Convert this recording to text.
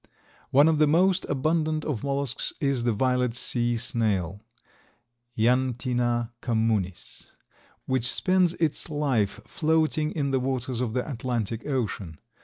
One of the most abundant of mollusks is the violet sea snail (Ianthina communis), which spends its life floating in the waters of the Atlantic Ocean.